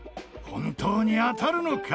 本当に当たるのか？